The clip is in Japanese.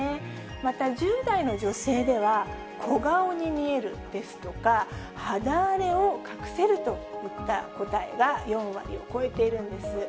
また１０代の女性では、小顔に見えるですとか、肌荒れを隠せるといった答えが４割を超えているんです。